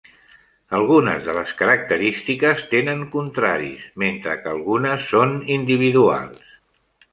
Algunes de les característiques tenen contraris, mentre que algunes són individuals.